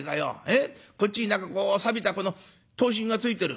こっちに何かこうさびたこの刀身がついてる」。